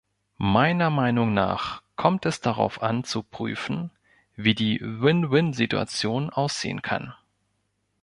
Meiner Meinung nach kommt es darauf an zu prüfen, wie die Win-win-Situation aussehen kann.